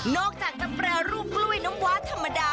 จากจะแปรรูปกล้วยน้ำว้าธรรมดา